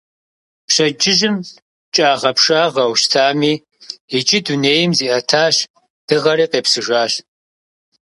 Пщэдджыжьым кӀагъэпшагъэу щытами, иджы дунейм зиӀэтащ, дыгъэри къепсыжащ.